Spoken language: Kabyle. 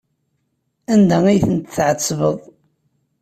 Anda ay tent-tɛettbeḍ?